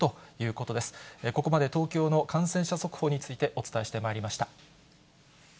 ここまで東京の感染者速報についてお伝えしてまいりました。